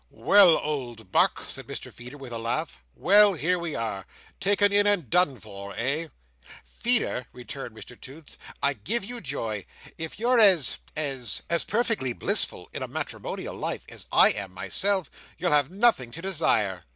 "Well, old Buck!" said Mr Feeder with a laugh. "Well! Here we are! Taken in and done for. Eh?" "Feeder," returned Mr Toots. "I give you joy. If you're as—as—as perfectly blissful in a matrimonial life, as I am myself, you'll have nothing to desire."